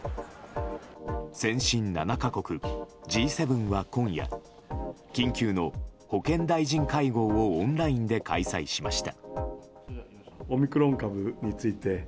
先進７か国Ｇ７は今夜緊急の保健大臣会合をオンラインで開催しました。